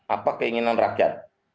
apa keinginan rakyat